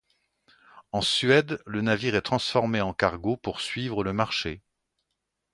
En Suède, le navire est transformé en cargo pour suivre le marché.